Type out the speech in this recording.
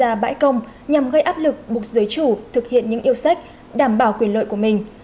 các bãi công nhằm gây áp lực bục giới chủ thực hiện những yêu sách đảm bảo quyền lợi của mình